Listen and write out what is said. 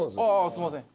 すいません